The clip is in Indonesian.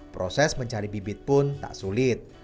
proses mencari bibit pun tak sulit